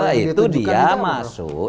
nah itu dia masuk